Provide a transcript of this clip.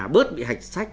bớt bị hạch sách